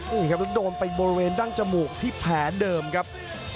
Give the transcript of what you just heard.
นี่ครับแล้วโดนไปบริเวณดั้งจมูกที่แผลเดิมครับ